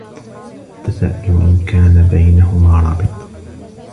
أتساءل إن كان بينهما رابط.